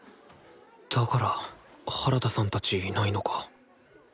だから原田さんたちいないのか。